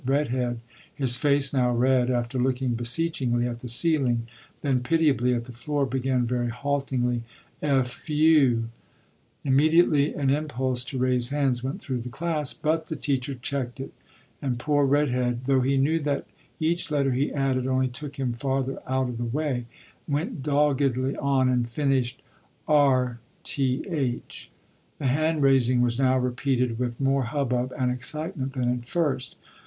"Red Head," his face now red, after looking beseechingly at the ceiling, then pitiably at the floor, began very haltingly: "F u " Immediately an impulse to raise hands went through the class, but the teacher checked it, and poor "Red Head," though he knew that each letter he added only took him farther out of the way, went doggedly on and finished: " r t h." The hand raising was now repeated with more hubbub and excitement than at first.